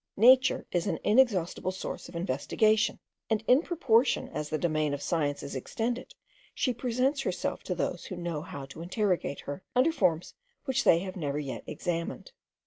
Nature is an inexhaustible source of investigation, and in proportion as the domain of science is extended, she presents herself to those who know how to interrogate her, under forms which they have never yet examined.